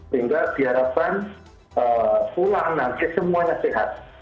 sehingga diharapkan pulang nanti semuanya sehat